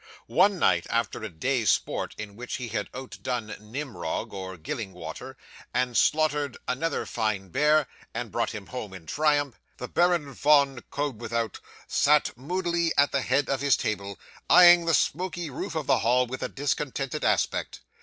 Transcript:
'One night, after a day's sport in which he had outdone Nimrod or Gillingwater, and slaughtered "another fine bear," and brought him home in triumph, the Baron Von Koeldwethout sat moodily at the head of his table, eyeing the smoky roof of the hall with a discontented aspect.